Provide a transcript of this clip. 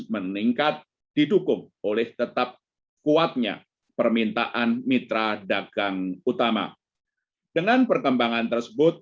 meningkat didukung oleh tetap kuatnya permintaan mitra dagang utama dengan perkembangan tersebut